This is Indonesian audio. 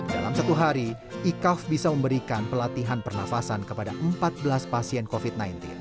dalam satu hari ikaf bisa memberikan pelatihan pernafasan kepada empat belas pasien covid sembilan belas